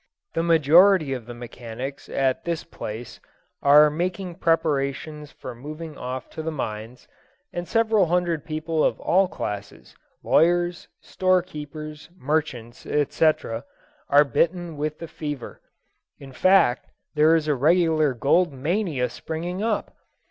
The majority of the mechanics at this place are making preparations for moving off to the mines, and several hundred people of all classes lawyers, store keepers, merchants, etc., are bitten with the fever; in fact, there is a regular gold mania springing up.